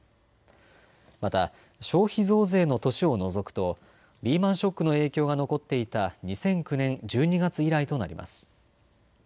また消費増税の年を除くとリーマンショックの影響が残っていた２００９年１２月以来となります。